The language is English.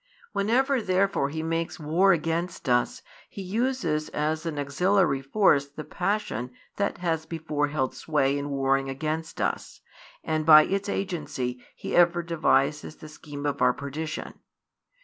Whenever therefore he makes war against us, he uses as an auxiliary force the passion that has before held sway in warring against us, and by its |200 agency he ever devises the scheme of our perdition.